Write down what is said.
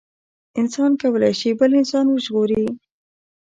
انسان کولي شي بل انسان وژغوري